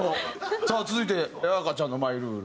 さあ続いて綾香ちゃんのマイルール。